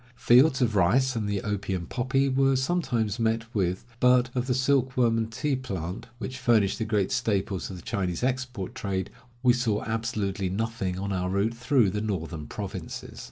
Fields of rice and the opium poppy were sometimes met with, but of the silk worm and tea plant, which furnish the great staples of the Chinese export trade, we saw absolutely nothing on our route through the northern provinces.